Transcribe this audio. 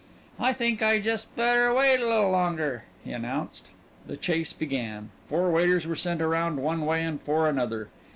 "Think I just better wait a l'il longer," he announced. The chase began. Four waiters were sent around one way and four another.